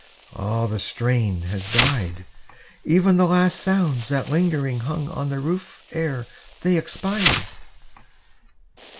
Ah, the strain Has died ev'n the last sounds that lingeringly Hung on the roof ere they expired!